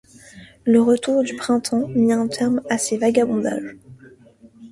Le retour du printemps mit un terme à ces vagabondages.